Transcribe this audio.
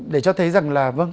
để cho thấy rằng là vâng